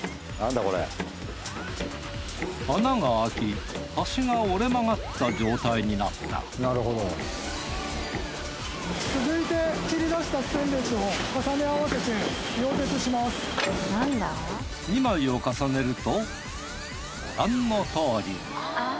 穴が開き端が折れ曲がった状態になった続いて切りだした２枚を重ねるとご覧のとおりに。